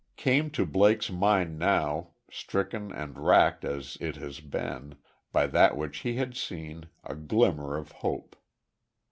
Came to Blake's mind now, stricken and wracked as it had been, by that which he had seen, a glimmer of hope.